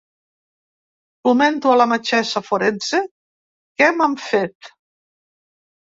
Comento a la metgessa forense què m’han fet.